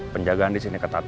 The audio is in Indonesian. penjagaan disini ketat